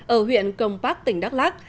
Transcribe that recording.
ở huyện công bắc tỉnh đắk lắc